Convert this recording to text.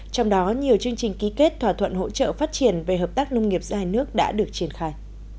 trong đó nhiều chương trình ký kết thỏa thuận hỗ trợ phát triển về hợp tác nông nghiệp giữa hai nước đã được triển khai